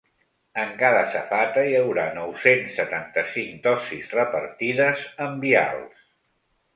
En cada safata hi haurà nou-cents setanta-cinc dosis repartides en vials.